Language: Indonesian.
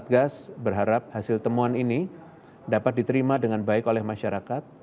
satgas berharap hasil temuan ini dapat diterima dengan baik oleh masyarakat